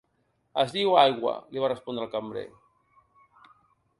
Es diu agua, li va respondre el cambrer.